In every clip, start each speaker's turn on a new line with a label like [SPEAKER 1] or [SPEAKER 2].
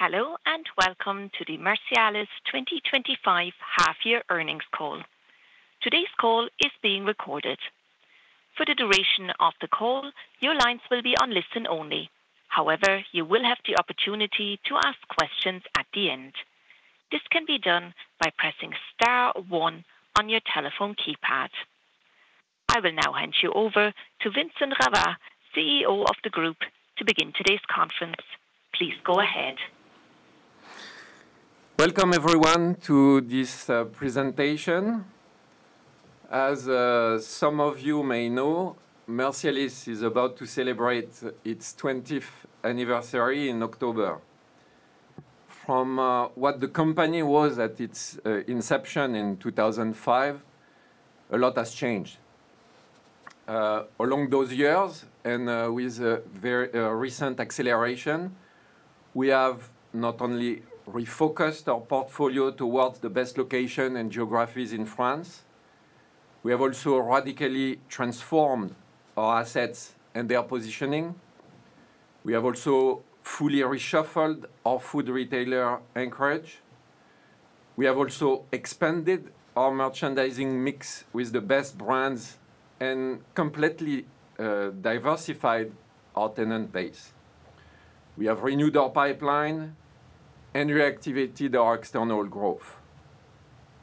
[SPEAKER 1] Hello and welcome to the Mercialys 2025 half-year earnings call. Today's call is being recorded. For the duration of the call, your lines will be on listen only. However, you will have the opportunity to ask questions at the end. This can be done by pressing star one on your telephone keypad. I will now hand you over to Vincent Ravat, CEO of the group, to begin today's conference. Please go ahead.
[SPEAKER 2] Welcome, everyone, to this presentation. As some of you may know, Mercialys is about to celebrate its 20th anniversary in October. From what the company was at its inception in 2005, a lot has changed. Along those years, and with a very recent acceleration, we have not only refocused our portfolio towards the best location and geographies in France, we have also radically transformed our assets and their positioning. We have also fully reshuffled our food retailer anchorage. We have also expanded our merchandising mix with the best brands and completely diversified our tenant base. We have renewed our pipeline and reactivated our external growth.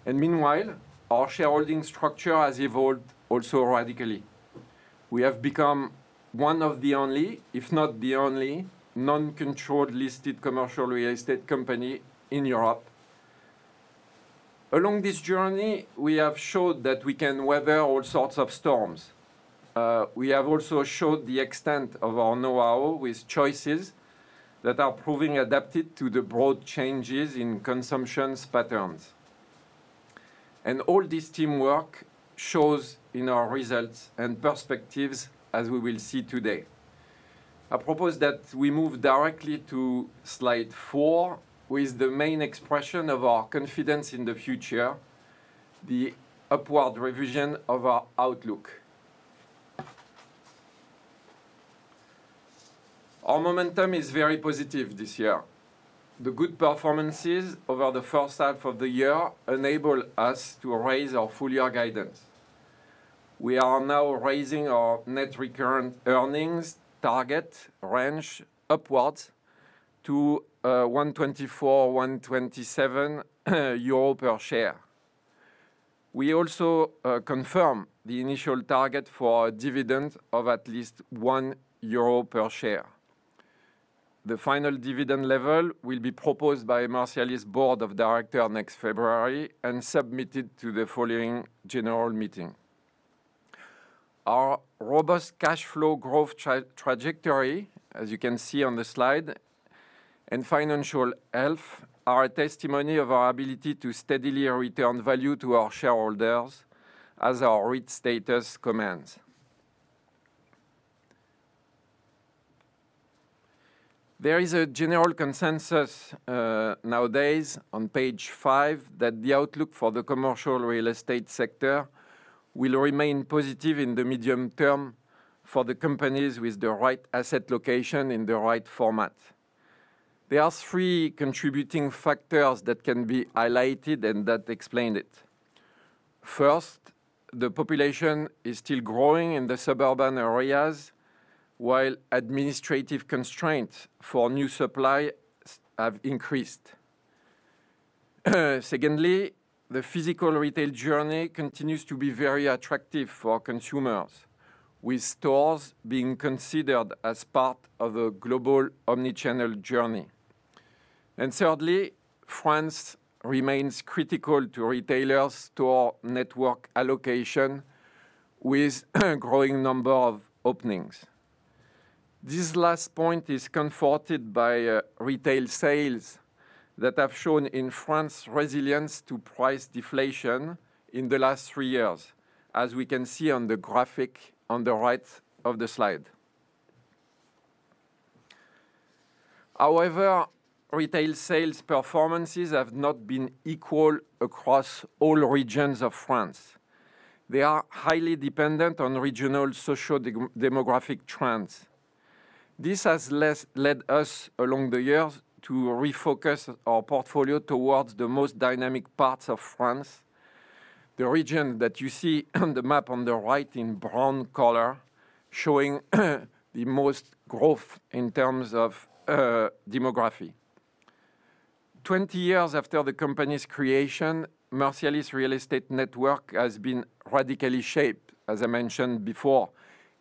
[SPEAKER 2] Meanwhile, our shareholding structure has evolved also radically. We have become one of the only, if not the only, non-controlled listed commercial real estate company in Europe. Along this journey, we have shown that we can weather all sorts of storms. We have also shown the extent of our know-how with choices that are proving adapted to the broad changes in consumption patterns. All this teamwork shows in our results and perspectives, as we will see today. I propose that we move directly to slide four, with the main expression of our confidence in the future, the upward revision of our outlook. Our momentum is very positive this year. The good performances over the first half of the year enable us to raise our full-year guidance. We are now raising our net recurrent earnings target range upwards to 1.24 euro or EUR 1.27 per share. We also confirmed the initial target for a dividend of at least 1 euro per share. The final dividend level will be proposed by Mercialys' Board of Directors next February and submitted to the following general meeting. Our robust cash flow growth trajectory, as you can see on the slide, and financial health are a testimony of our ability to steadily return value to our shareholders as our REIT status commands. There is a general consensus nowadays on page five that the outlook for the commercial real estate sector will remain positive in the medium term for the companies with the right asset location in the right format. There are three contributing factors that can be highlighted and that explain it. First, the population is still growing in the suburban areas, while administrative constraints for new supplies have increased. Secondly, the physical retail journey continues to be very attractive for consumers, with stores being considered as part of a global omnichannel journey. Thirdly, France remains critical to retailers' store network allocation with a growing number of openings. This last point is confirmed by retail sales that have shown in France resilience to price deflation in the last three years, as we can see on the graphic on the right of the slide. However, retail sales performances have not been equal across all regions of France. They are highly dependent on regional socio-demographic trends. This has led us, along the years, to refocus our portfolio towards the most dynamic parts of France, the region that you see on the map on the right in brown color, showing the most growth in terms of demography. Twenty years after the company's creation, Mercialys' real estate network has been radically shaped, as I mentioned before,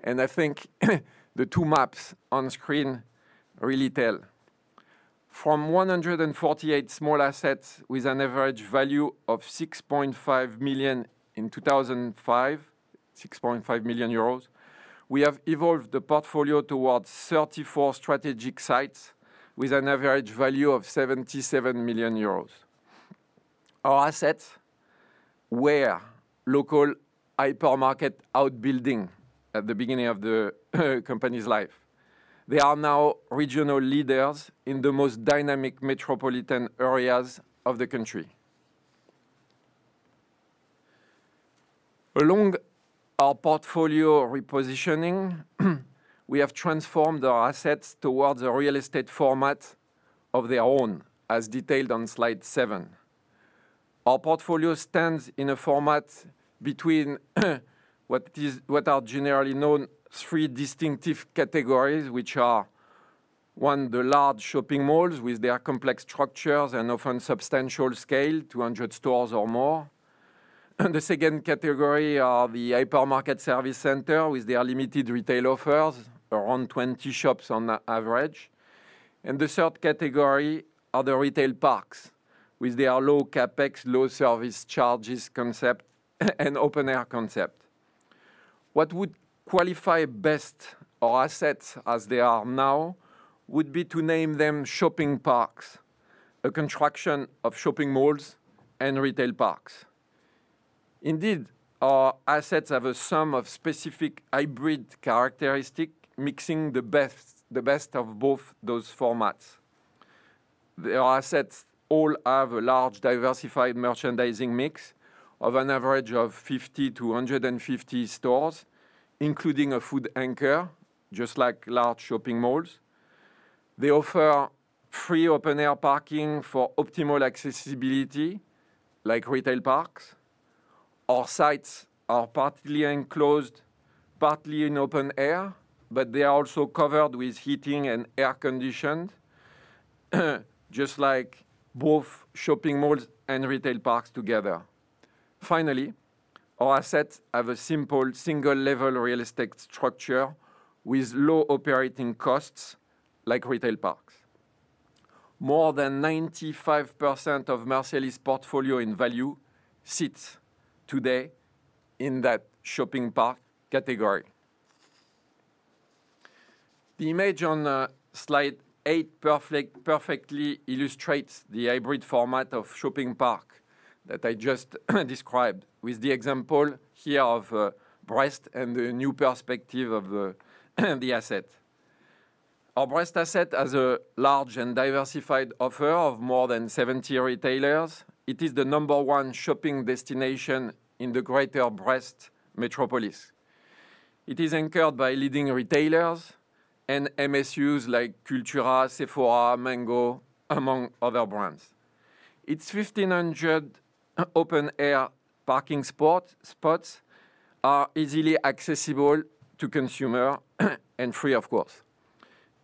[SPEAKER 2] and I think the two maps on screen really tell. From 148 small assets with an average value of 6.5 million in 2005, we have evolved the portfolio towards 34 strategic sites with an average value of 77 million euros. Our assets were local hypermarket outbuilding at the beginning of the company's life. They are now regional leaders in the most dynamic metropolitan areas of the country. Along our portfolio repositioning, we have transformed our assets towards a real estate format of their own, as detailed on slide seven. Our portfolio stands in a format between what are generally known as three distinctive categories, which are, one, the large shopping malls with their complex structures and often substantial scale, 200 stores or more. The second category are the hypermarket service centers with their limited retail offers, around 20 shops on average. The third category are the retail parks with their low CapEx, low service charges concept, and open-air concept. What would qualify best, our assets as they are now, would be to name them shopping parks, a contraction of shopping malls and retail parks. Indeed, our assets have a sum of specific hybrid characteristics mixing the best of both those formats. Their assets all have a large diversified merchandising mix of an average of 50-150 stores, including a food anchor, just like large shopping malls. They offer free open-air parking for optimal accessibility, like retail parks. Our sites are partly enclosed, partly in open air, but they are also covered with heating and air conditioning, just like both shopping malls and retail parks together. Finally, our assets have a simple single-level real estate structure with low operating costs, like retail parks. More than 95% of Mercialys' portfolio in value sits today in that shopping park category. The image on slide eight perfectly illustrates the hybrid format of shopping park that I just described with the example here of Brest and the new perspective of the asset. Our Brest asset has a large and diversified offer of more than 70 retailers. It is the number one shopping destination in the greater Brest metropolis. It is anchored by leading retailers and MSUs like Cultura, Sephora, Mango, among other brands. Its 1,500 open-air parking spots are easily accessible to consumers and free, of course.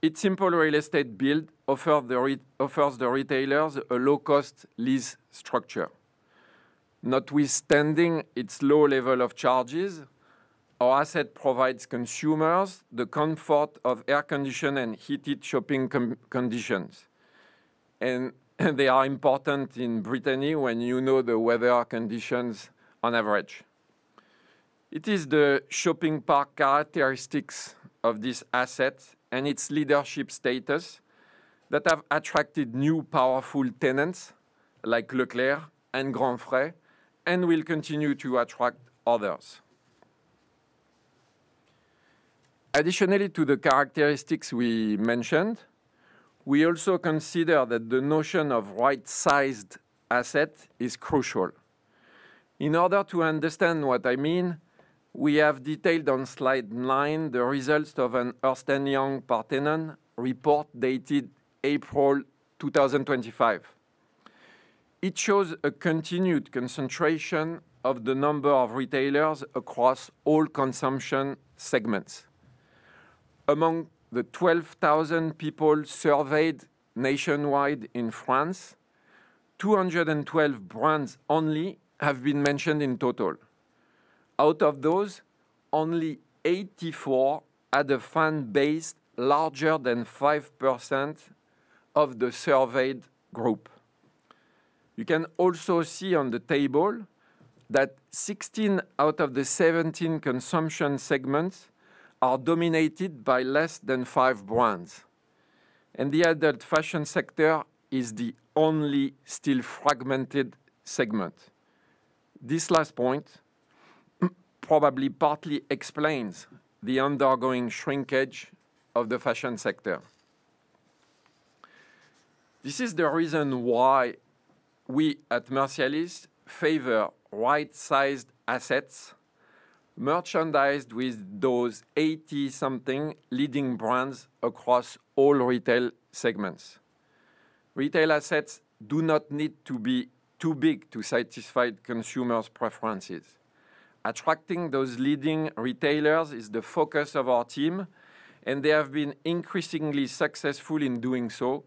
[SPEAKER 2] Its simple real estate build offers the retailers a low-cost lease structure. Notwithstanding its low level of charges, our asset provides consumers the comfort of air-conditioned and heated shopping conditions. They are important in Brittany when you know the weather conditions on average. It is the shopping park characteristics of this asset and its leadership status that have attracted new powerful tenants like Leclerc and Grand Frais and will continue to attract others. Additionally to the characteristics we mentioned, we also consider that the notion of right-sized assets is crucial. In order to understand what I mean, we have detailed on slide nine the results of an Ernst & Young partner report dated April 2025. It shows a continued concentration of the number of retailers across all consumption segments. Among the 12,000 people surveyed nationwide in France, 212 brands only have been mentioned in total. Out of those, only 84 had a fan base larger than 5% of the surveyed group. You can also see on the table that 16 out of the 17 consumption segments are dominated by less than five brands. The adult fashion sector is the only still fragmented segment. This last point probably partly explains the ongoing shrinkage of the fashion sector. This is the reason why we at Mercialys favor right-sized assets merchandised with those 80-something leading brands across all retail segments. Retail assets do not need to be too big to satisfy consumers' preferences. Attracting those leading retailers is the focus of our team, and they have been increasingly successful in doing so,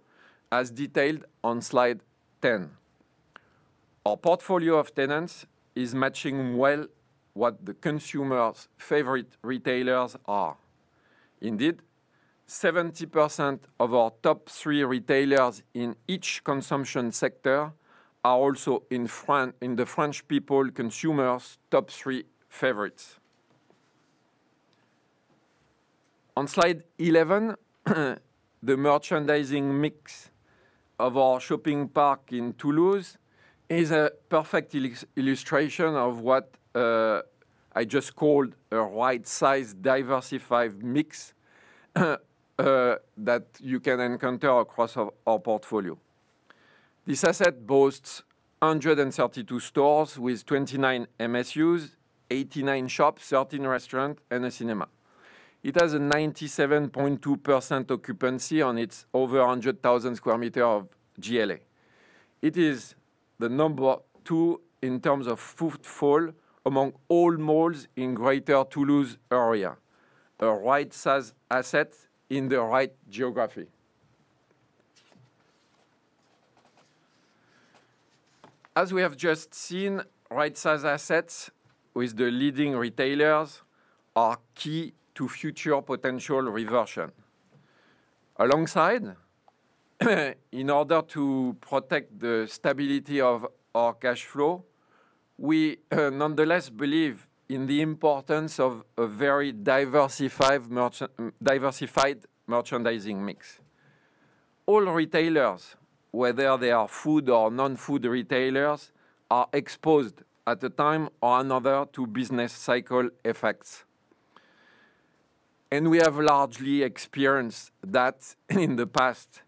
[SPEAKER 2] as detailed on slide 10. Our portfolio of tenants is matching well what the consumers' favorite retailers are. Indeed, 70% of our top three retailers in each consumption sector are also in the French people consumers' top three favorites. On slide 11, the merchandising mix of our shopping park in Toulouse is a perfect illustration of what I just called a right-sized diversified mix that you can encounter across our portfolio. This asset boasts 132 stores with 29 MSUs, 89 shops, 13 restaurants, and a cinema. It has a 97.2% occupancy on its over 100,000 sq m of GLA. It is the number two in terms of footfall among all malls in the greater Toulouse area, a right-sized asset in the right geography. As we have just seen, right-sized assets with the leading retailers are key to future potential reversion. Alongside, in order to protect the stability of our cash flow, we nonetheless believe in the importance of a very diversified merchandising mix. All retailers, whether they are food or non-food retailers, are exposed at a time or another to business cycle effects. We have largely experienced that in the past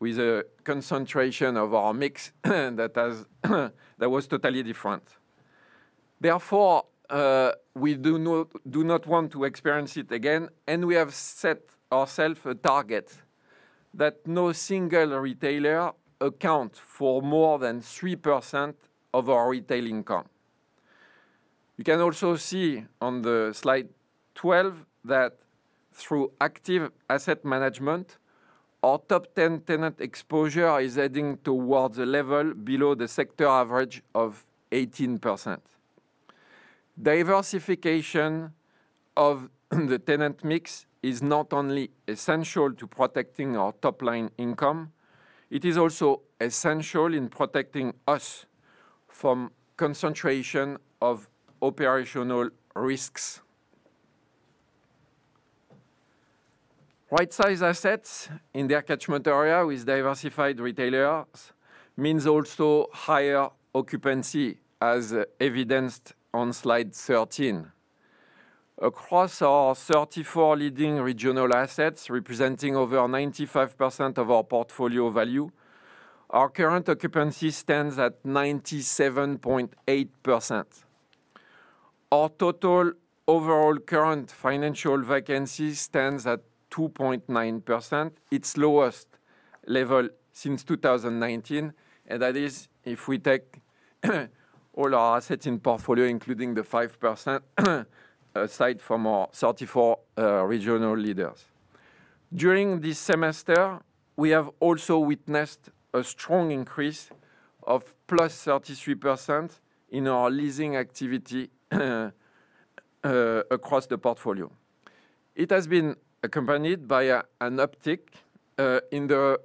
[SPEAKER 2] with a concentration of our mix that was totally different. Therefore, we do not want to experience it again, and we have set ourselves a target that no single retailer accounts for more than 3% of our retail income. You can also see on slide 12 that through active asset management, our top 10 tenant exposure is heading towards a level below the sector average of 18%. Diversification of the tenant mix is not only essential to protecting our top-line income, it is also essential in protecting us from concentration of operational risks. Right-sized assets in their catchment area with diversified retailers mean also higher occupancy, as evidenced on slide 13. Across our 34 leading regional assets representing over 95% of our portfolio value, our current occupancy stands at 97.8%. Our total overall current financial vacancy stands at 2.9%, its lowest level since 2019, and that is if we take all our assets in portfolio, including the 5% aside from our 34 regional leaders. During this semester, we have also witnessed a strong increase of plus 33% in our leasing activity across the portfolio. It has been accompanied by an uptick in the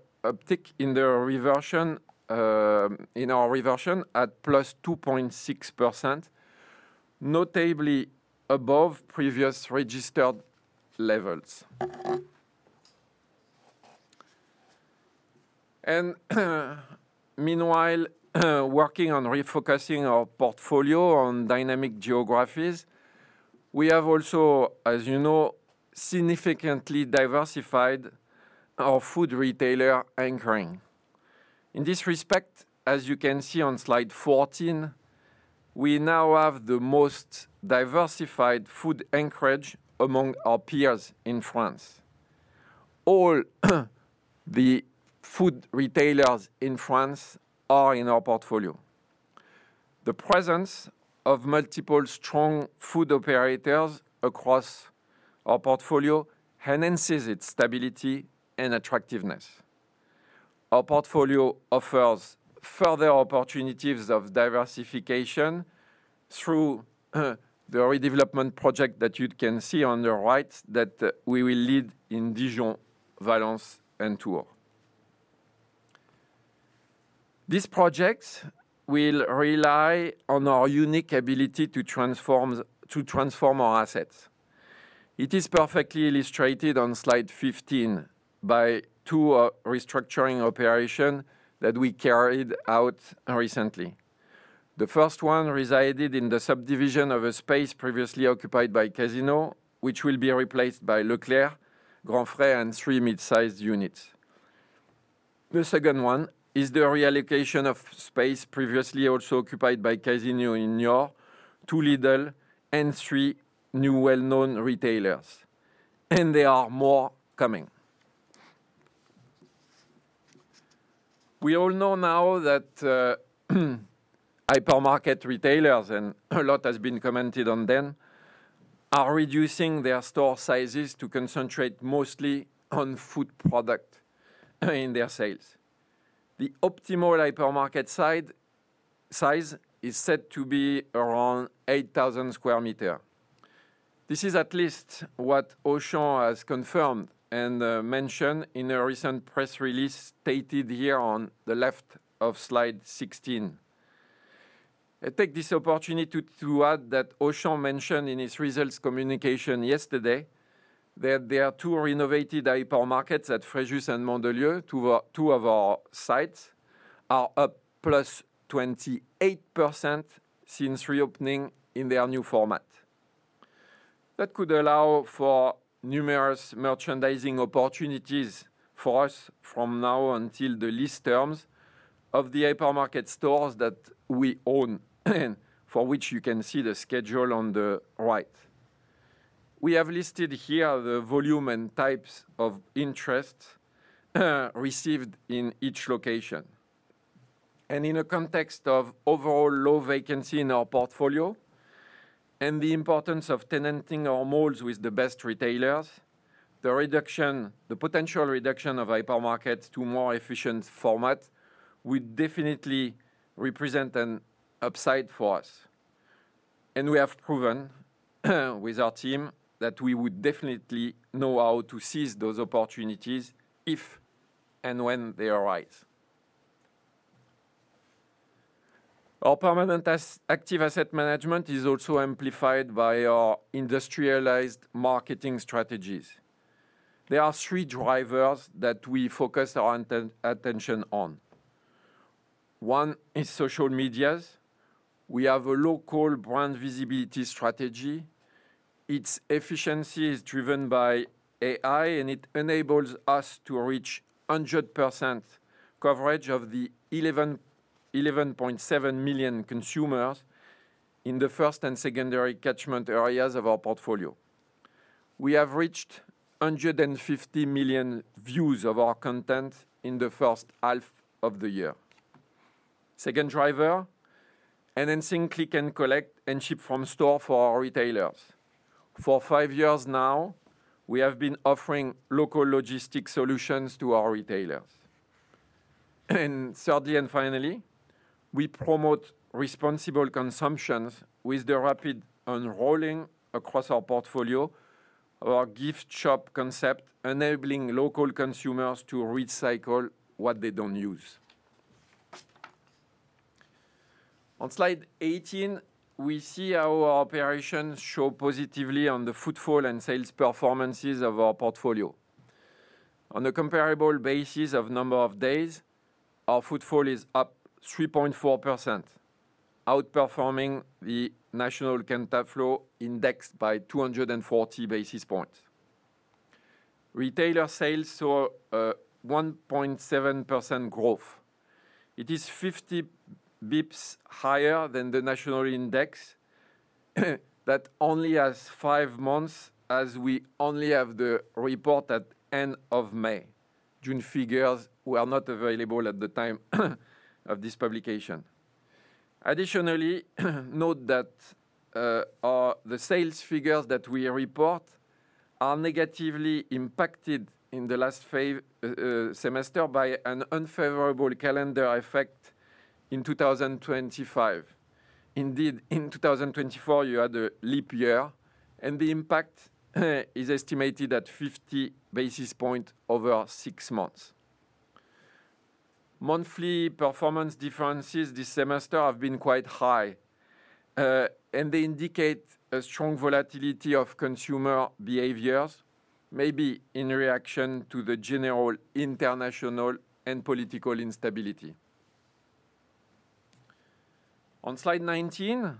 [SPEAKER 2] reversion at plus 2.6%, notably above previous registered levels. Meanwhile, working on refocusing our portfolio on dynamic geographies, we have also, as you know, significantly diversified our food retailer anchoring. In this respect, as you can see on slide 14, we now have the most diversified food anchorage among our peers in France. All the food retailers in France are in our portfolio. The presence of multiple strong food operators across our portfolio underpins its stability and attractiveness. Our portfolio offers further opportunities of diversification through the redevelopment project that you can see on the right that we will lead in Dijon, Valence, and Tours. These projects will rely on our unique ability to transform our assets. It is perfectly illustrated on slide 15 by two restructuring operations that we carried out recently. The first one resided in the subdivision of a space previously occupied by Casino, which will be replaced by Leclerc, Grand Frais, and three mid-sized units. The second one is the reallocation of space previously also occupied by Casino, Intersport, Too Late, and three new well-known retailers. There are more coming. We all know now that hypermarket retailers, and a lot has been commented on them, are reducing their store sizes to concentrate mostly on food products in their sales. The optimal hypermarket size is said to be around 8,000 sq m. This is at least what Auchan has confirmed and mentioned in a recent press release stated here on the left of slide 16. I take this opportunity to add that Auchan mentioned in its results communication yesterday that their two renovated hypermarkets at Fréjus and Mandelieu, two of our sites, are up +28% since reopening in their new format. That could allow for numerous merchandising opportunities for us from now until the lease terms of the hypermarket stores that we own, and for which you can see the schedule on the right. We have listed here the volume and types of interest received in each location. In a context of overall low vacancy in our portfolio and the importance of tenanting our malls with the best retailers, the potential reduction of hypermarkets to a more efficient format would definitely represent an upside for us. We have proven with our team that we would definitely know how to seize those opportunities if and when they arise. Our permanent active asset management is also amplified by our industrialized marketing strategies. There are three drivers that we focus our attention on. One is social media. We have a local brand visibility strategy. Its efficiency is driven by AI, and it enables us to reach 100% coverage of the 11.7 million consumers in the first and secondary catchment areas of our portfolio. We have reached 150 million views of our content in the first half of the year. Second driver, enhancing click and collect and ship from store for our retailers. For five years now, we have been offering local logistics solutions to our retailers. Thirdly and finally, we promote responsible consumption with the rapid unrolling across our portfolio of our gift shop concept, enabling local consumers to recycle what they don't use. On slide 18, we see how our operations show positively on the footfall and sales performances of our portfolio. On a comparable basis of a number of days, our footfall is up 3.4%, outperforming the national Canta Flow Index by 240 basis points. Retailer sales saw a 1.7% growth. It is 50 bps higher than the national index that only has five months, as we only have the report at the end of May. June figures were not available at the time of this publication. Additionally, note that the sales figures that we report are negatively impacted in the last semester by an unfavorable calendar effect in 2024. Indeed, in 2024, you had a leap year, and the impact is estimated at 50 basis points over six months. Monthly performance differences this semester have been quite high, and they indicate a strong volatility of consumer behaviors, maybe in reaction to the general international and political instability. On slide 19,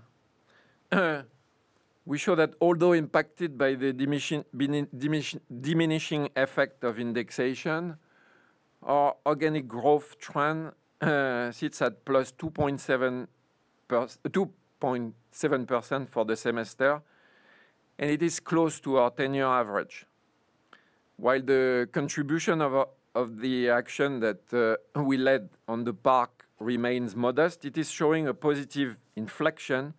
[SPEAKER 2] we show that although impacted by the diminishing effect of indexation, our organic growth trend sits at +2.7% for the semester, and it is close to our 10-year average. While the contribution of the action that we led on the park remains modest, it is showing a positive inflection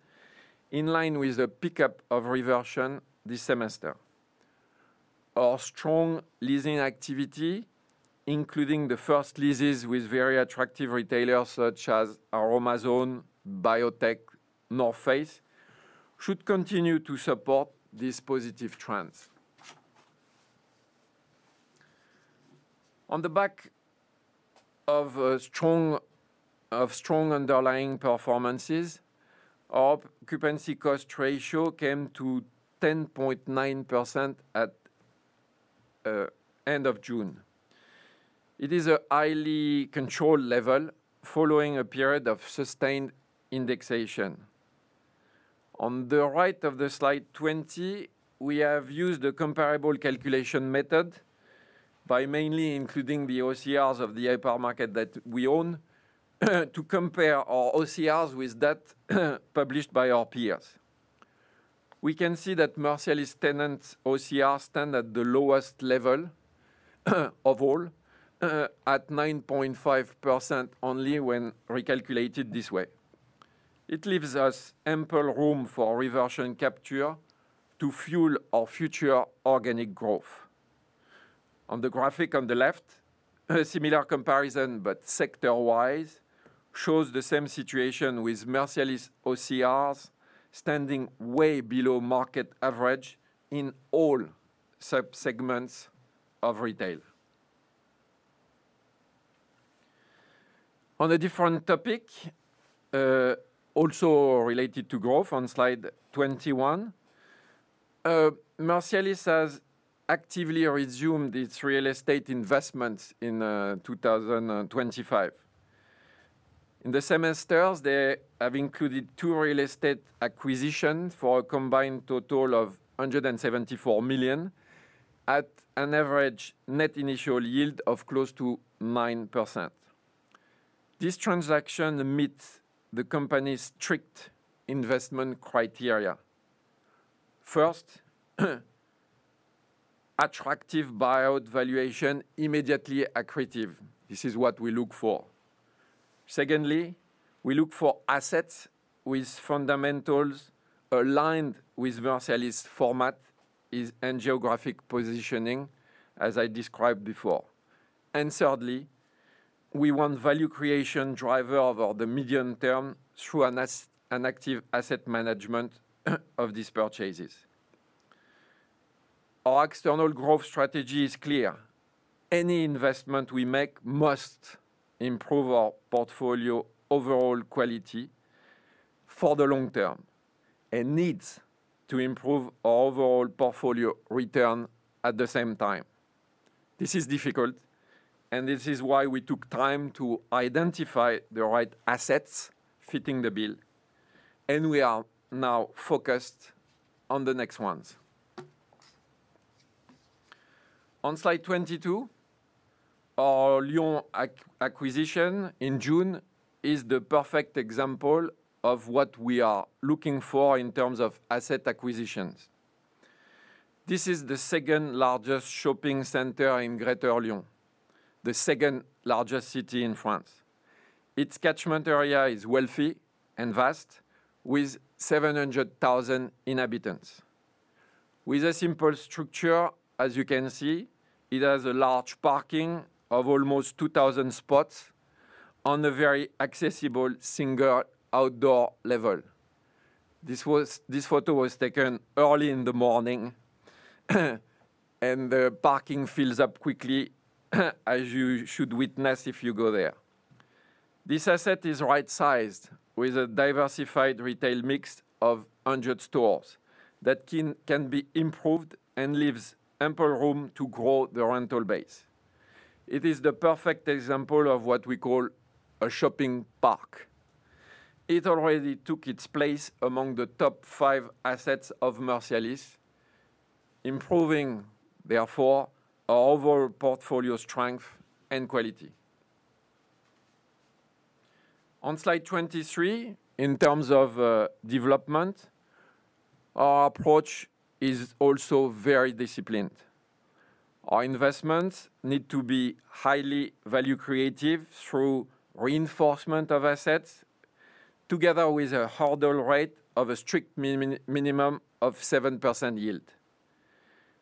[SPEAKER 2] in line with a pickup of reversion this semester. Our strong leasing activity, including the first leases with very attractive retailers such as Aroma-Zone, Biotech, The North Face, should continue to support these positive trends. On the back of strong underlying performances, our occupancy cost ratio came to 10.9% at the end of June. It is a highly controlled level following a period of sustained indexation. On the right of slide 20, we have used a comparable calculation method by mainly including the OCRs of the hypermarket that we own to compare our OCRs with that published by our peers. We can see that Mercialys tenant OCRs stand at the lowest level of all, at 9.5% only when recalculated this way. It leaves us ample room for reversion capture to fuel our future organic growth. On the graphic on the left, a similar comparison, but sector-wise, shows the same situation with Mercialys OCRs standing way below market average in all subsegments of retail. On a different topic, also related to growth, on slide 21, Mercialys has actively resumed its real estate investments in 2025. In the semesters, they have included two real estate acquisitions for a combined total of 174 million at an average net initial yield of close to 9%. This transaction meets the company's strict investment criteria. First, attractive buyout valuation immediately accretive. This is what we look for. Secondly, we look for assets with fundamentals aligned with Mercialys' format and geographic positioning, as I described before. Thirdly, we want value creation drivers over the medium term through an active asset management of these purchases. Our external growth strategy is clear. Any investment we make must improve our portfolio overall quality for the long term and needs to improve our overall portfolio return at the same time. This is difficult, which is why we took time to identify the right assets fitting the bill, and we are now focused on the next ones. On slide 22, our Lyon acquisition in June is the perfect example of what we are looking for in terms of asset acquisitions. This is the second largest shopping center in Greater Lyon, the second largest city in France. Its catchment area is wealthy and vast, with 700,000 inhabitants. With a simple structure, as you can see, it has a large parking of almost 2,000 spots on a very accessible single outdoor level. This photo was taken early in the morning, and the parking fills up quickly, as you should witness if you go there. This asset is right-sized with a diversified retail mix of 100 stores that can be improved and leaves ample room to grow the rental base. It is the perfect example of what we call a shopping park. It already took its place among the top five assets of Mercialys, improving, therefore, our overall portfolio strength and quality. On slide 23, in terms of development, our approach is also very disciplined. Our investments need to be highly value creative through reinforcement of assets, together with a hurdle rate of a strict minimum of 7% yield.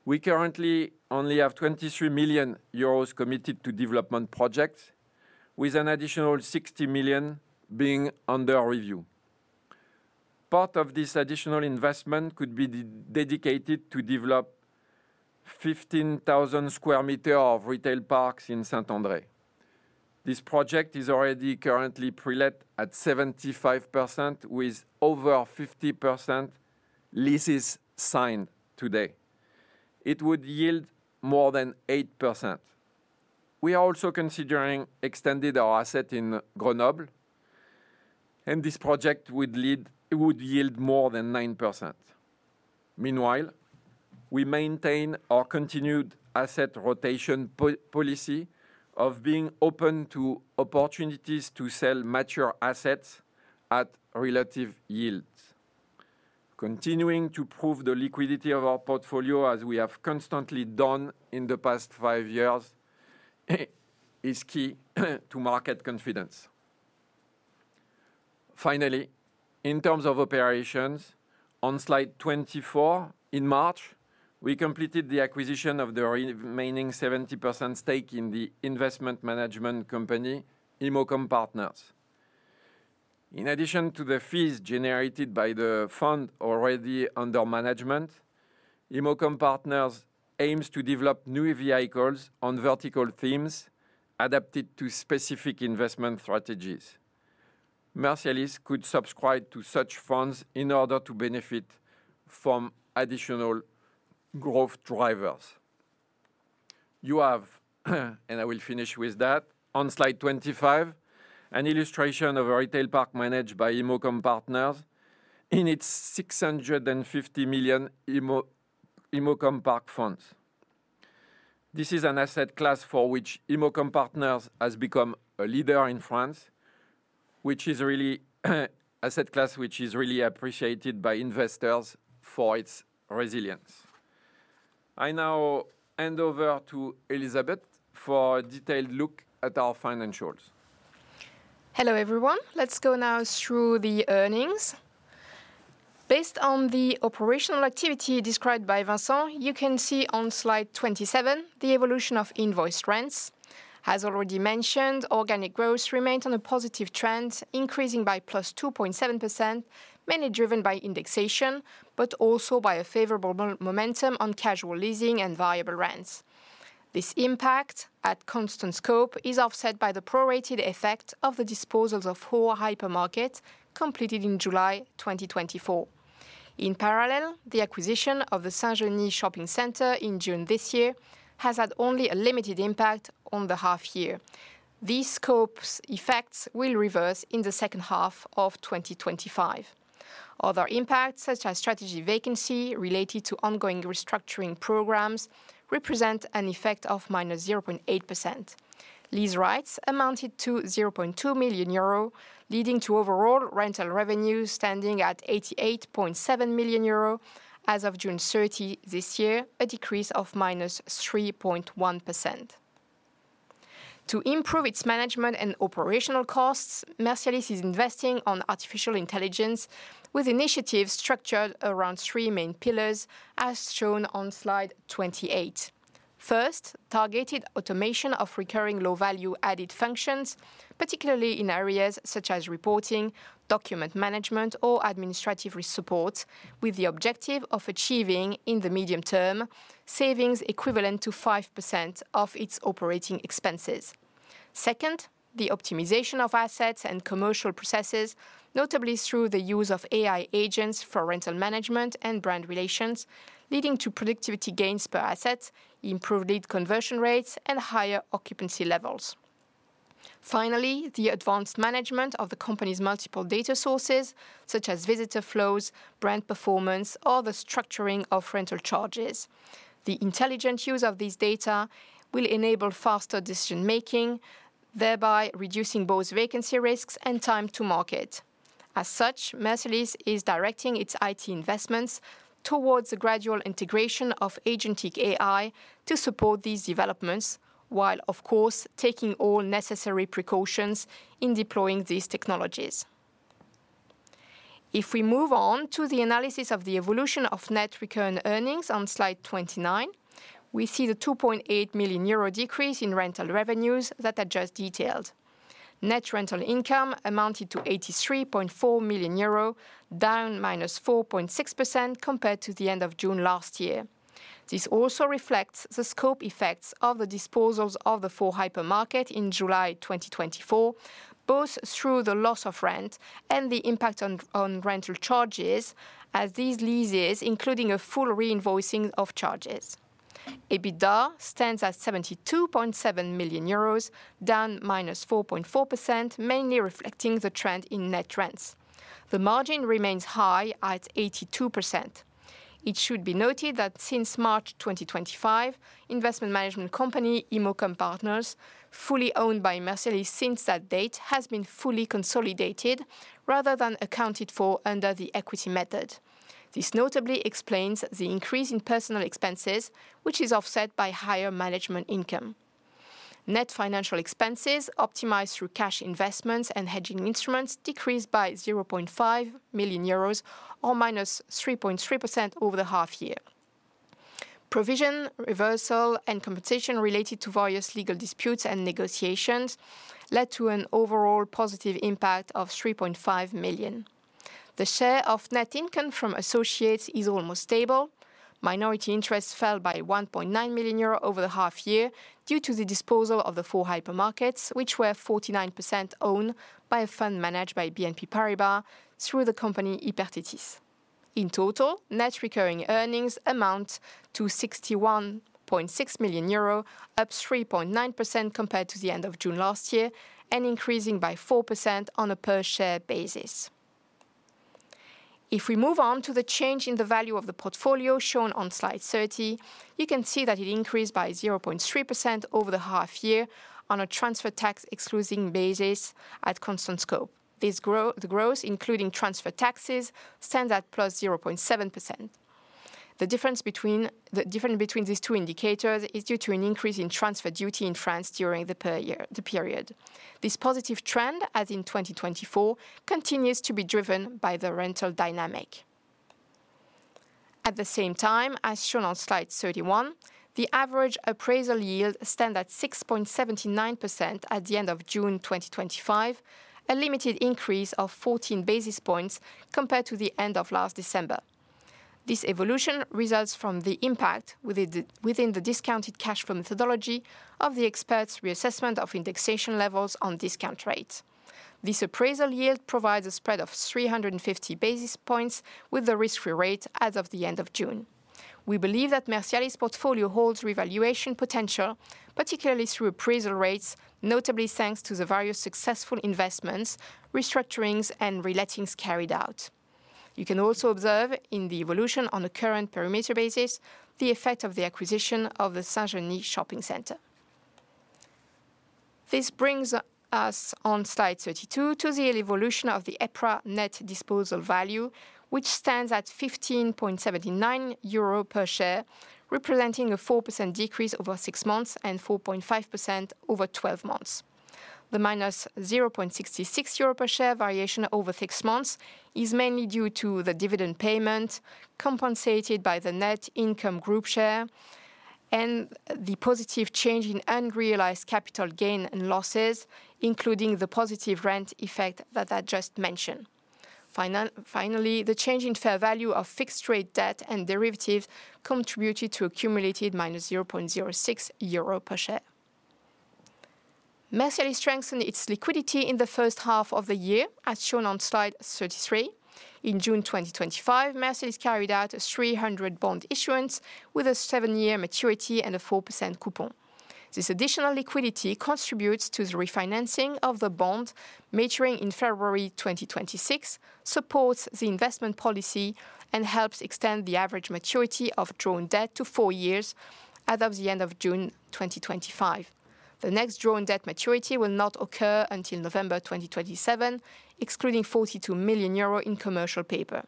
[SPEAKER 2] We currently only have 23 million euros committed to development projects, with an additional 60 million being under review. Part of this additional investment could be dedicated to develop 15,000 sq m of retail parks in Saint-André. This project is already currently prelet at 75%, with over 50% leases signed today. It would yield more than 8%. We are also considering extending our asset in Grenoble, and this project would yield more than 9%. Meanwhile, we maintain our continued asset rotation policy of being open to opportunities to sell mature assets at relative yields. Continuing to prove the liquidity of our portfolio, as we have constantly done in the past five years, is key to market confidence. Finally, in terms of operations, on slide 24, in March, we completed the acquisition of the remaining 70% stake in the investment management company, Immocom Partners. In addition to the fees generated by the fund already under management, Immocom Partners aims to develop new vehicles on vertical themes adapted to specific investment strategies. Mercialys could subscribe to such funds in order to benefit from additional growth drivers. You have, and I will finish with that, on slide 25, an illustration of a retail park managed by Imocom Partners in its 650 million ImocomPark funds. This is an asset class for which Immocom Partners has become a leader in France, which is really an asset class which is really appreciated by investors for its resilience. I now hand over to Elisabeth for a detailed look at our financials.
[SPEAKER 3] Hello everyone. Let's go now through the earnings. Based on the operational activity described by Vincent, you can see on slide 27 the evolution of invoiced rents. As already mentioned, organic growth remains on a positive trend, increasing by +2.7%, mainly driven by indexation, but also by a favorable momentum on casual leasing and variable rents. This impact at constant scope is offset by the prorated effect of the disposals of four hypermarkets completed in July 2024. In parallel, the acquisition of the Saint-Genis shopping center in June this year has had only a limited impact on the half year. These scopes' effects will reverse in the second half of 2025. Other impacts, such as strategic vacancy related to ongoing restructuring programs, represent an effect of -0.8%. Lease rights amounted to 0.2 million euro, leading to overall rental revenue standing at 88.7 million euro as of June 30 this year, a decrease of -3.1%. To improve its management and operational costs, Mercialys is investing in artificial intelligence with initiatives structured around three main pillars, as shown on slide 28. First, targeted automation of recurring low-value added functions, particularly in areas such as reporting, document management, or administrative support, with the objective of achieving, in the medium term, savings equivalent to 5% of its operating expenses. Second, the optimization of assets and commercial processes, notably through the use of AI agents for rental management and brand relations, leading to productivity gains per asset, improved lead conversion rates, and higher occupancy levels. Finally, the advanced management of the company's multiple data sources, such as visitor flows, brand performance, or the structuring of rental charges. The intelligent use of these data will enable faster decision-making, thereby reducing both vacancy risks and time to market. As such, Mercialys is directing its IT investments towards the gradual integration of agentic AI to support these developments, while, of course, taking all necessary precautions in deploying these technologies. If we move on to the analysis of the evolution of net recurrent earnings on slide 29, we see the 2.8 million euro decrease in rental revenues that are just detailed. Net rental income amounted to 83.4 million euro, down -4.6% compared to the end of June last year. This also reflects the scope effects of the disposals of the four hypermarkets in July 2024, both through the loss of rent and the impact on rental charges, as these leases include a full reinvoicing of charges. EBITDA stands at 72.7 million euros, down -4.4%, mainly reflecting the trend in net rents. The margin remains high at 82%. It should be noted that since March 2025, investment management company Immocom Partners, fully owned by Mercialys since that date, has been fully consolidated rather than accounted for under the equity method. This notably explains the increase in personnel expenses, which is offset by higher management income. Net financial expenses optimized through cash investments and hedging instruments decreased by 0.5 million euros, or -3.3% over the half year. Provision, reversal, and compensation related to various legal disputes and negotiations led to an overall positive impact of 3.5 million. The share of net income from associates is almost stable. Minority interests fell by 1.9 million euro over the half year due to the disposal of the four hypermarkets, which were 49% owned by a fund managed by BNP Paribas through the company Hypertetis. In total, net recurrent earnings amount to 61.6 million euro, up 3.9% compared to the end of June last year, and increasing by 4% on a per-share basis. If we move on to the change in the value of the portfolio shown on slide 30, you can see that it increased by 0.3% over the half year on a transfer tax-exclusive basis at constant scope. This growth, including transfer taxes, stands at +0.7%. The difference between these two indicators is due to an increase in transfer duty in France during the period. This positive trend, as in 2024, continues to be driven by the rental dynamic. At the same time, as shown on slide 31, the average appraisal yield stands at 6.79% at the end of June 2025, a limited increase of 14 basis points compared to the end of last December. This evolution results from the impact within the discounted cash flow methodology of the experts' reassessment of indexation levels on discount rates. This appraisal yield provides a spread of 350 basis points with the risk-free rate as of the end of June. We believe that Mercialys' portfolio holds revaluation potential, particularly through appraisal rates, notably thanks to the various successful investments, restructurings, and re-lettings carried out. You can also observe in the evolution on a current perimeter basis the effect of the acquisition of the Saint-Genis shopping center. This brings us on slide 32 to the evolution of the EPRA net disposal value, which stands at 15.79 euro per share, representing a 4% decrease over six months and 4.5% over 12 months. The minus 0.66 euro per share variation over six months is mainly due to the dividend payment compensated by the net income group share and the positive change in unrealized capital gain and losses, including the positive rent effect that I just mentioned. Finally, the change in fair value of fixed-rate debt and derivatives contributed to a cumulated minus 0.06 euro per share. Mercialys strengthened its liquidity in the first half of the year, as shown on slide 33. In June 2025, Mercialys carried out a 300 million bond issuance with a seven-year maturity and a 4% coupon. This additional liquidity contributes to the refinancing of the bond maturing in February 2026, supports the investment policy, and helps extend the average maturity of drawn debt to four years as of the end of June 2025. The next drawn debt maturity will not occur until November 2027, excluding 42 million euro in commercial paper.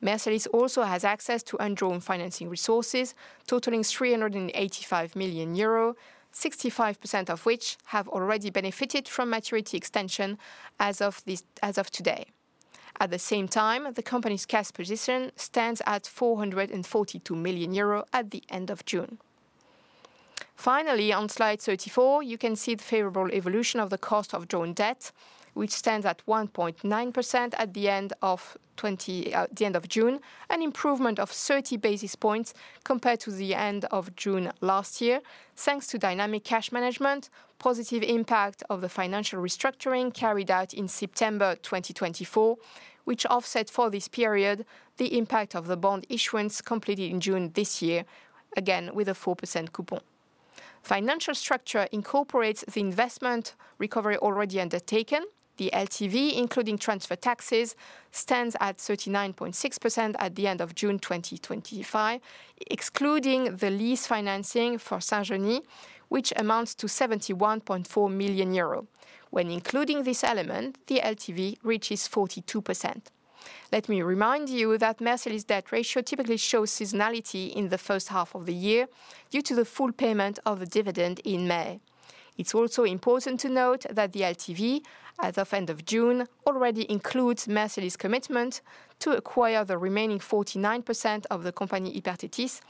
[SPEAKER 3] Mercialys also has access to undrawn financing resources totaling 385 million euro, 65% of which have already benefited from maturity extension as of today. At the same time, the company's cash position stands at 442 million euro at the end of June. Finally, on slide 34, you can see the favorable evolution of the cost of drawn debt, which stands at 1.9% at the end of June, an improvement of 30 basis points compared to the end of June last year, thanks to dynamic cash management, positive impact of the financial restructuring carried out in September 2024, which offset for this period the impact of the bond issuance completed in June this year, again with a 4% coupon. Financial structure incorporates the investment recovery already undertaken. The LTV, including transfer taxes, stands at 39.6% at the end of June 2025, excluding the lease financing for Saint-Genis, which amounts to 71.4 million euros. When including this element, the LTV reaches 42%. Let me remind you that Mercialys' debt ratio typically shows seasonality in the first half of the year due to the full payment of the dividend in May. It's also important to note that the LTV, as of end of June, already includes Mercialys' commitment to acquire the remaining 49% of the company Hypertetis,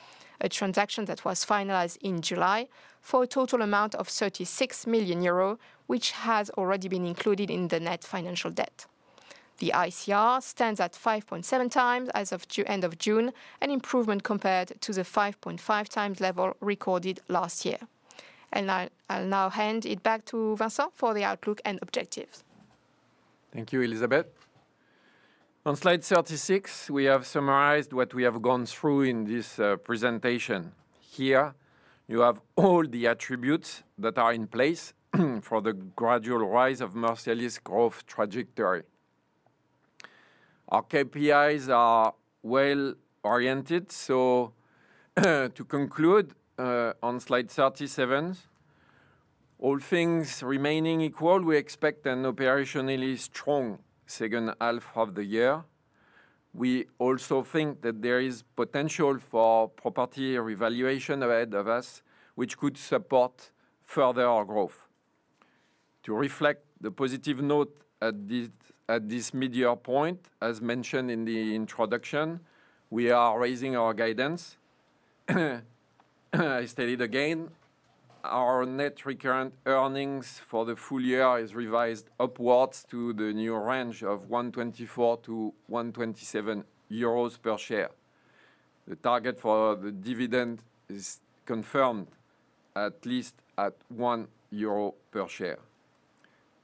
[SPEAKER 3] a transaction that was finalized in July, for a total amount of 36 million euro, which has already been included in the net financial debt. The ICR stands at 5.7x as of the end of June, an improvement compared to the 5.5x level recorded last year. I'll now hand it back to Vincent for the outlook and objectives.
[SPEAKER 2] Thank you, Elisabeth. On slide 36, we have summarized what we have gone through in this presentation. Here, you have all the attributes that are in place for the gradual rise of Mercialys' growth trajectory. Our KPIs are well oriented. To conclude, on slide 37, all things remaining equal, we expect an operationally strong second half of the year. We also think that there is potential for property revaluation ahead of us, which could support further growth. To reflect the positive note at this mid-year point, as mentioned in the introduction, we are raising our guidance. I state again, our net recurrent earnings for the full year are revised upwards to the new range of 1.24-1.27 euros per share. The target for the dividend is confirmed at least at 1 euro per share.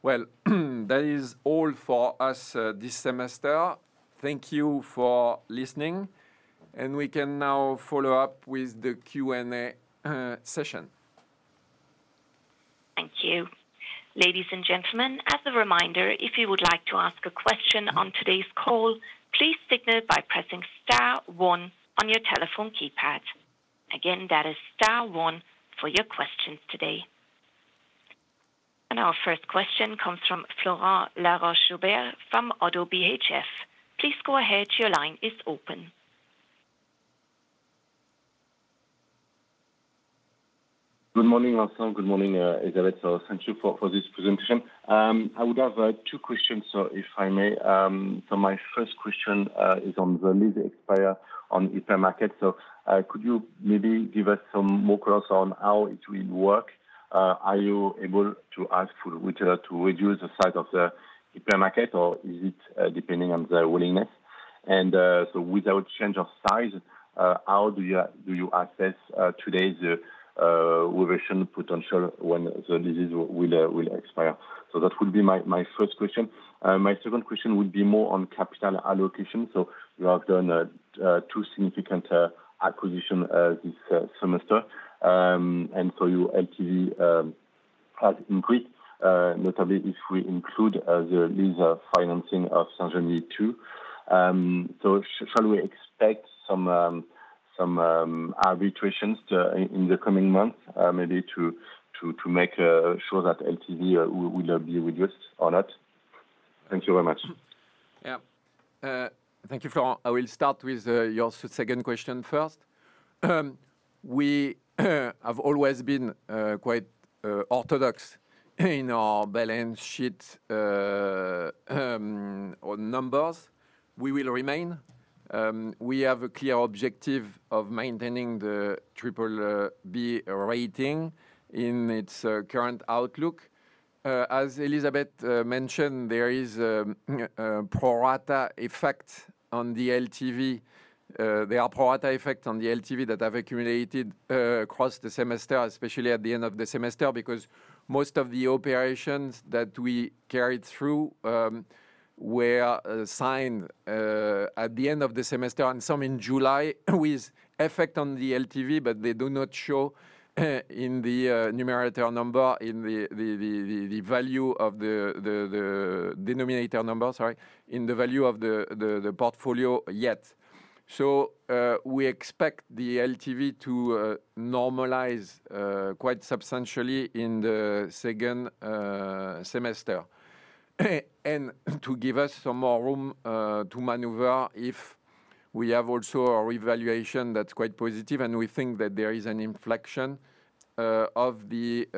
[SPEAKER 2] That is all for us this semester. Thank you for listening, and we can now follow up with the Q&A session.
[SPEAKER 1] Thank you. Ladies and gentlemen, as a reminder, if you would like to ask a question on today's call, please signal by pressing star one on your telephone keypad. That is star one for your questions today. Our first question comes from Florent Laroche-Joubert from Oddo BHF. Please go ahead, your line is open.
[SPEAKER 4] Good morning, Vincent. Good morning, Elizabeth. Thank you for this presentation. I would have two questions, if I may. My first question is on the lease expiry on hypermarkets. Could you maybe give us some more clues on how it will work? Are you able to ask for the retailer to reduce the size of the hypermarket, or is it depending on their willingness? Without change of size, how do you assess today's reversion potential when the leases will expire? That would be my first question. My second question would be more on capital allocation. You have done two significant acquisitions this semester, and your LTV has increased, notably if we include the lease financing of Saint-Genis 2. Shall we expect some arbitrations in the coming months, maybe to make sure that LTV will be reduced or not? Thank you very much.
[SPEAKER 2] Thank you, Florent. I will start with your second question first. We have always been quite orthodox in our balance sheet on numbers. We will remain. We have a clear objective of maintaining the triple B rating in its current outlook. As Elisabeth mentioned, there is a prorata effect on the LTV. There are prorata effects on the LTV that have accumulated across the semester, especially at the end of the semester, because most of the operations that we carried through were assigned at the end of the semester and some in July with effect on the LTV, but they do not show in the numerator number, in the value of the denominator number, sorry, in the value of the portfolio yet. We expect the LTV to normalize quite substantially in the second semester. To give us some more room to maneuver if we have also a revaluation that's quite positive and we think that there is an inflection of the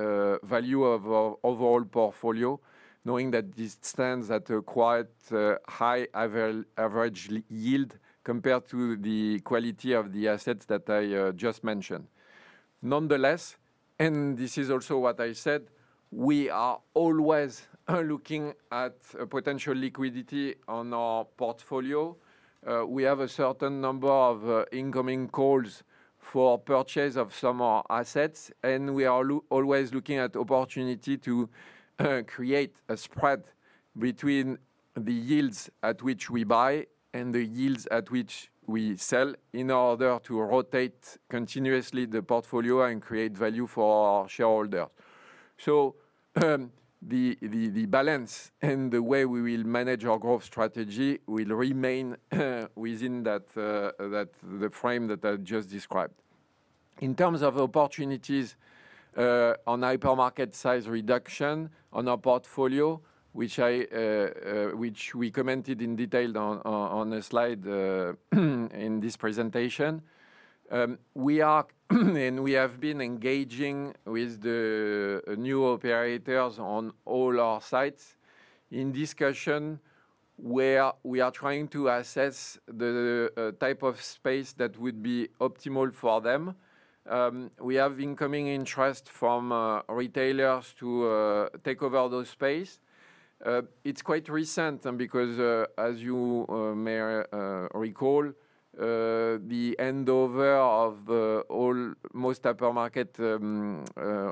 [SPEAKER 2] value of our overall portfolio, knowing that this stands at a quite high average yield compared to the quality of the assets that I just mentioned. Nonetheless, and this is also what I said, we are always looking at potential liquidity on our portfolio. We have a certain number of incoming calls for purchase of some more assets, and we are always looking at opportunity to create a spread between the yields at which we buy and the yields at which we sell in order to rotate continuously the portfolio and create value for our shareholders. The balance and the way we will manage our growth strategy will remain within the frame that I just described. In terms of opportunities on hypermarket size reduction on our portfolio, which we commented in detail on a slide in this presentation, we have been engaging with the new operators on all our sites in discussion where we are trying to assess the type of space that would be optimal for them. We have incoming interest from retailers to take over those spaces. It's quite recent because, as you may recall, the end-over of the most hypermarket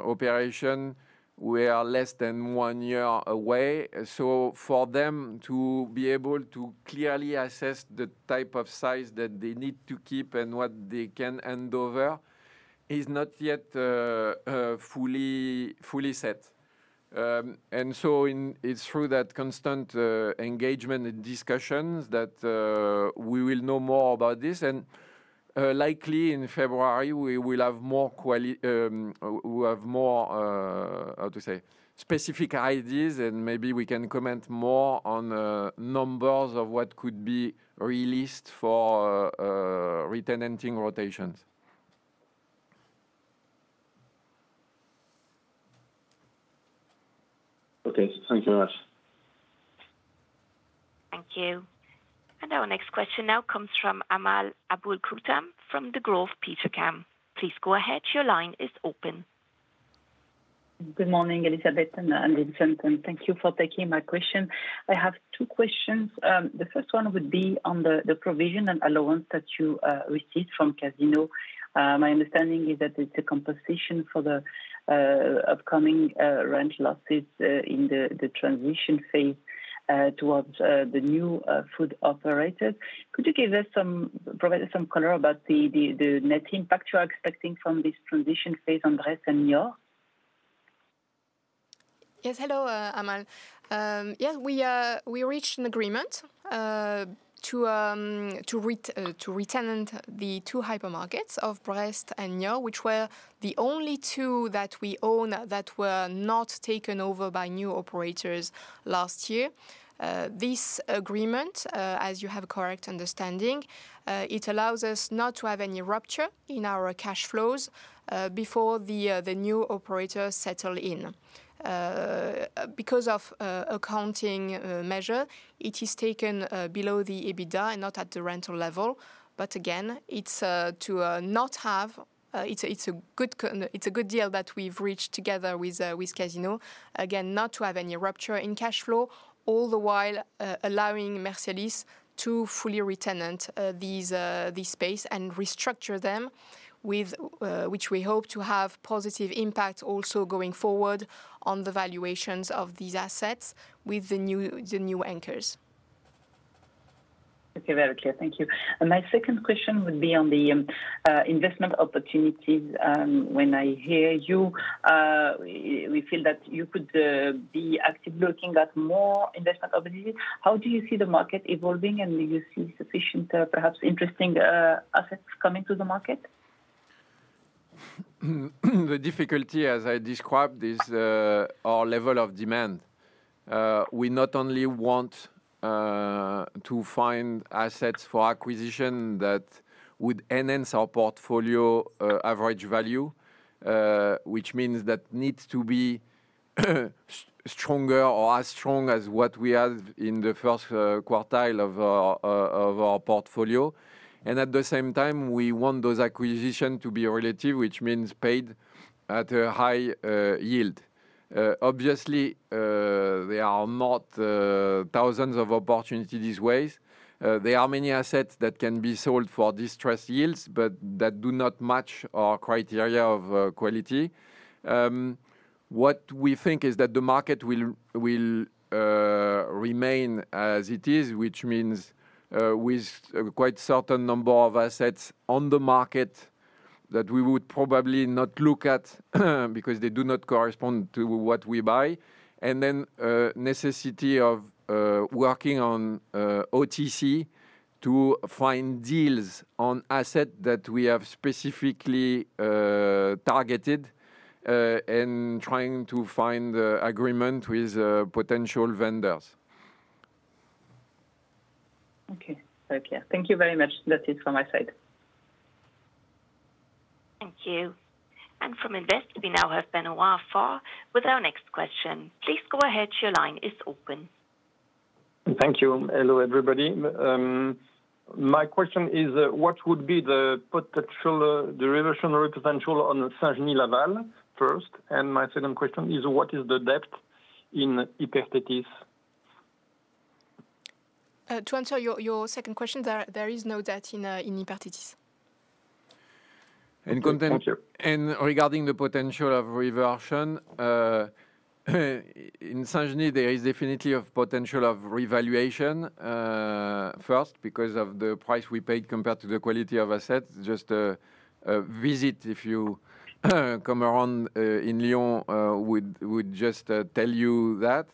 [SPEAKER 2] operation, we are less than one year away. For them to be able to clearly assess the type of size that they need to keep and what they can hand over is not yet fully set. It's through that constant engagement and discussions that we will know more about this. Likely in February, we will have more, how to say, specific ideas, and maybe we can comment more on numbers of what could be released for re-tenanting rotations.
[SPEAKER 4] Okay, thank you very much.
[SPEAKER 1] Thank you. Our next question now comes from Amal Aboulkhouatem from Degroof Petercam. Please go ahead, your line is open.
[SPEAKER 5] Good morning, Elizabeth and Vincent. Thank you for taking my question. I have two questions. The first one would be on the provision and allowance that you received from Casino. My understanding is that it's a compensation for the upcoming rent losses in the transition phase towards the new food operators. Could you give us some color about the net impact you are expecting from this transition phase on Brest and Niort?
[SPEAKER 3] Yes, hello, Amal. Yeah, we reached an agreement to re-tenant the two hypermarkets of Brest and Niort, which were the only two that we own that were not taken over by new operators last year. This agreement, as you have a correct understanding, allows us not to have any rupture in our cash flows before the new operators settle in. Because of accounting measures, it is taken below the EBITDA and not at the rental level. Again, it's a good deal that we've reached together with Casino, not to have any rupture in cash flow, all the while allowing Mercialys to fully re-tenant this space and restructure them, which we hope to have positive impact also going forward on the valuations of these assets with the new anchors.
[SPEAKER 5] Okay, very clear. Thank you. My second question would be on the investment opportunities. When I hear you, we feel that you could be actively looking at more investment opportunities. How do you see the market evolving, and do you see sufficient, perhaps interesting assets coming to the market?
[SPEAKER 2] The difficulty, as I described, is our level of demand. We not only want to find assets for acquisition that would enhance our portfolio average value, which means that it needs to be stronger or as strong as what we have in the first quartile of our portfolio. At the same time, we want those acquisitions to be relative, which means paid at a high yield. Obviously, there are not thousands of opportunities this way. There are many assets that can be sold for distressed yields, but that do not match our criteria of quality. What we think is that the market will remain as it is, which means with a quite certain number of assets on the market that we would probably not look at because they do not correspond to what we buy. The necessity of working on OTC to find deals on assets that we have specifically targeted and trying to find agreement with potential vendors.
[SPEAKER 5] Okay, very clear. Thank you very much. That's it from my side.
[SPEAKER 1] Thank you. From Invest, we now have Benoit Faure with our next question. Please go ahead, your line is open.
[SPEAKER 6] Thank you. Hello everybody. My question is, what would be the potential reversionary potential on Saint-Genis-Laval first? My second question is, what is the debt in Immocom Partners?
[SPEAKER 3] To answer your second question, there is no debt in Hypertetis.
[SPEAKER 6] Thank you.
[SPEAKER 2] Regarding the potential of reversion, in Saint-Genis, there is definitely a potential of revaluation first because of the price we paid compared to the quality of assets. Just a visit, if you come around in Lyon, would just tell you that.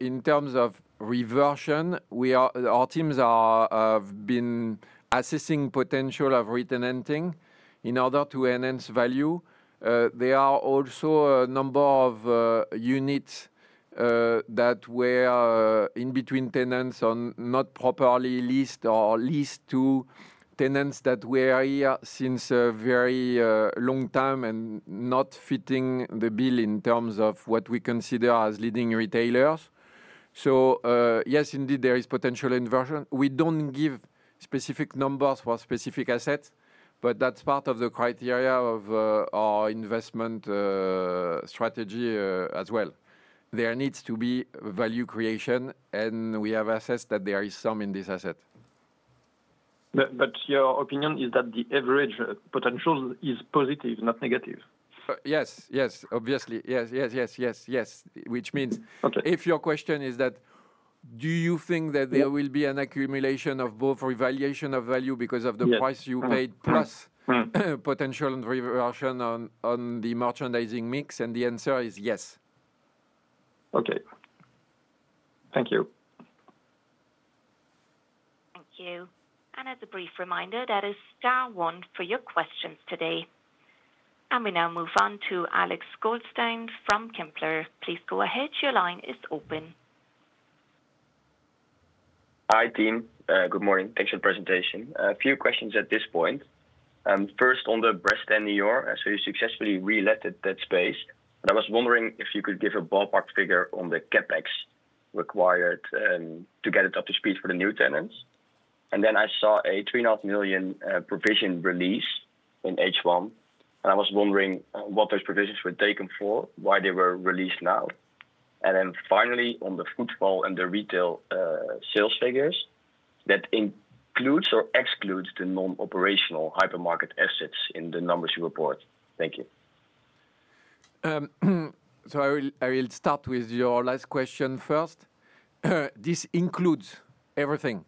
[SPEAKER 2] In terms of reversion, our teams have been assessing the potential of re-tenanting in order to enhance value. There are also a number of units that were in between tenants or not properly leased or leased to tenants that were here since a very long time and not fitting the bill in terms of what we consider as leading retailers. Yes, indeed, there is potential reversion. We don't give specific numbers for specific assets, but that's part of the criteria of our investment strategy as well. There needs to be value creation, and we have assessed that there is some in this asset.
[SPEAKER 6] Your opinion is that the average potential is positive, not negative?
[SPEAKER 2] Yes, obviously. Which means if your question is that, do you think that there will be an accumulation of both revaluation of value because of the price you paid plus potential reversion on the merchandising mix? The answer is yes.
[SPEAKER 6] Okay, thank you.
[SPEAKER 1] Thank you. As a brief reminder, that is star one for your questions today. We now move on to Alex Goldstein from Kempler. Please go ahead, your line is open.
[SPEAKER 7] Hi, team. Good morning. Thanks for the presentation. A few questions at this point. First, on the Brest and Niort, you successfully re-let that space, but I was wondering if you could give a ballpark figure on the CapEx required to get it up to speed for the new tenants. I saw a 3.5 million provision release in H1, and I was wondering what those provisions were taken for, why they were released now. Finally, on the footfall and the retail sales figures, that includes or excludes the non-operational hypermarket assets in the numbers you report. Thank you.
[SPEAKER 2] I will start with your last question first. This includes everything,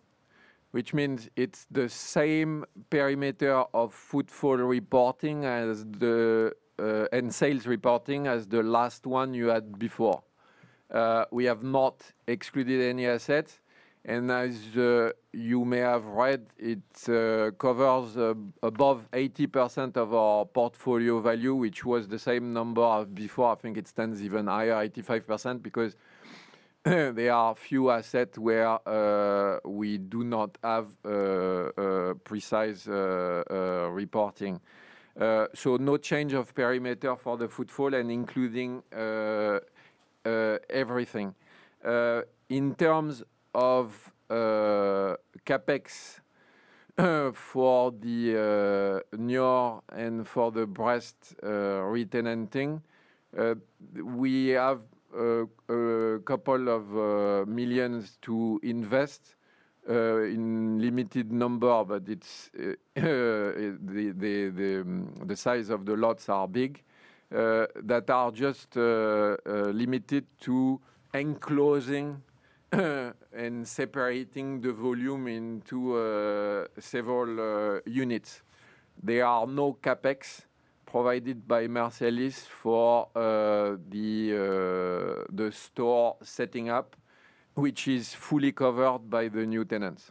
[SPEAKER 2] which means it's the same perimeter of footfall reporting and sales reporting as the last one you had before. We have not excluded any assets, and as you may have read, it covers above 80% of our portfolio value, which was the same number as before. I think it stands even higher, 85%, because there are a few assets where we do not have precise reporting. No change of perimeter for the footfall and including everything. In terms of CapEx for the Niort and for the Brest re-tenanting, we have a couple of million to invest in a limited number, but the size of the lots are big that are just limited to enclosing and separating the volume into several units. There are no CapEx provided by Mercialys for the store setting up, which is fully covered by the new tenants.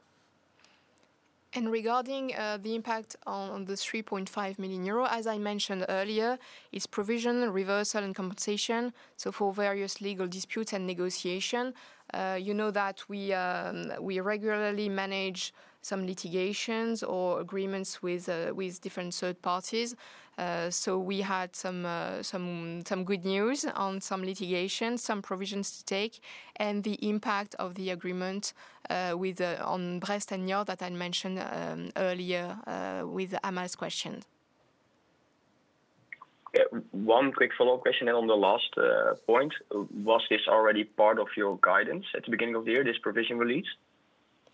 [SPEAKER 3] Regarding the impact on the 3.5 million euro, as I mentioned earlier, it's provision, reversal, and compensation. For various legal disputes and negotiations, you know that we regularly manage some litigations or agreements with different third parties. We had some good news on some litigations, some provisions to take, and the impact of the agreement on Brest and Niort that I mentioned earlier with Amal's questions.
[SPEAKER 7] One quick follow-up question on the last point. Was this already part of your guidance at the beginning of the year, this provision release?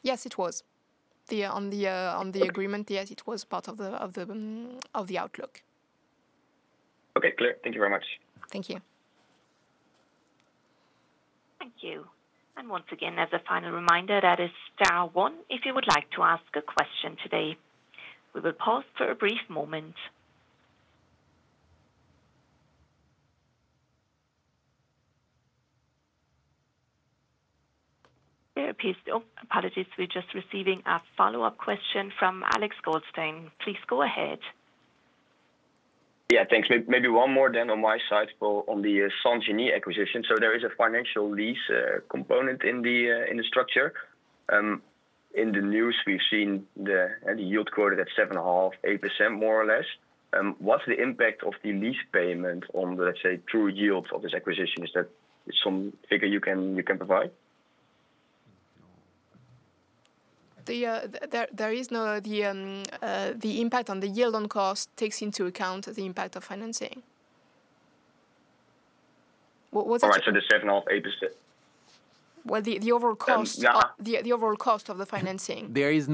[SPEAKER 3] Yes, it was. On the agreement, yes, it was part of the outlook.
[SPEAKER 7] Okay, clear. Thank you very much.
[SPEAKER 3] Thank you.
[SPEAKER 1] Thank you. As a final reminder, that is star one if you would like to ask a question today. We will pause for a brief moment. There appears still. Apologies, we're just receiving a follow-up question from Alex Goldstein. Please go ahead.
[SPEAKER 7] Yeah, thanks. Maybe one more then on my side for the Saint-Genis acquisition. There is a financial lease component in the structure. In the news, we've seen the yield quoted at 7.5%, 8% more or less. What's the impact of the lease payment on the, let's say, true yields of this acquisition? Is that some figure you can provide?
[SPEAKER 3] There is no impact on the yield on cost, takes into account the impact of financing.
[SPEAKER 7] All right, so the 7.5%, 8%.
[SPEAKER 3] The overall cost of the financing.
[SPEAKER 2] There is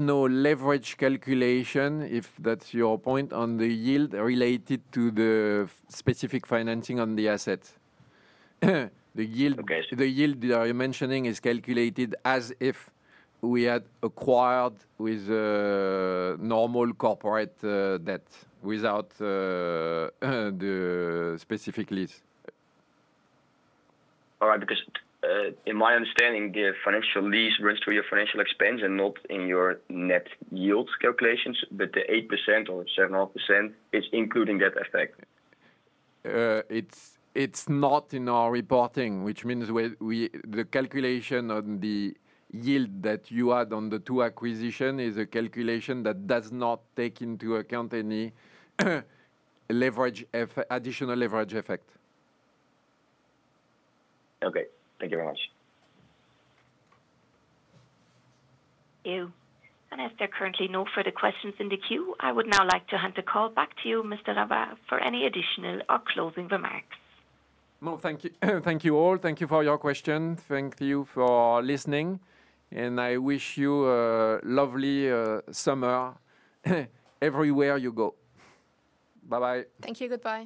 [SPEAKER 2] no leverage calculation, if that's your point, on the yield related to the specific financing on the asset. The yield you're mentioning is calculated as if we had acquired with normal corporate debt without the specific lease.
[SPEAKER 7] All right, because in my understanding, the financial lease runs through your financial expense and not in your net yield calculations, but the 8% or 7.5% is including that effect.
[SPEAKER 2] It's not in our reporting, which means the calculation on the yield that you add on the two acquisitions is a calculation that does not take into account any additional leverage effect.
[SPEAKER 7] Okay, thank you very much.
[SPEAKER 1] Thank you. As there are currently no further questions in the queue, I would now like to hand the call back to you, Mr. Ravat, for any additional or closing remarks.
[SPEAKER 2] Thank you all. Thank you for your questions. Thank you for listening. I wish you a lovely summer everywhere you go. Bye-bye.
[SPEAKER 3] Thank you. Goodbye.